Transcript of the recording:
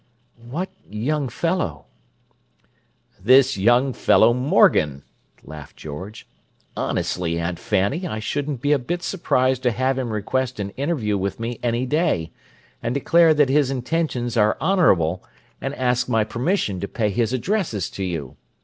"What 'young fellow'?" "This young fellow Morgan," laughed George; "Honestly, Aunt Fanny, I shouldn't be a bit surprised to have him request an interview with me any day, and declare that his intentions are honourable, and ask my permission to pay his addresses to you.